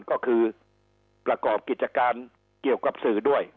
ก็คือประกอบกิจการเกี่ยวกับสื่อด้วย